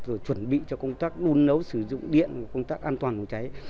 rồi chuẩn bị cho công tác đun nấu sử dụng điện công tác an toàn phòng cháy